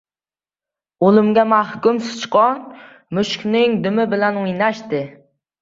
• O‘limga mahkum sichqon mushukning dumi bilan o‘ynashadi.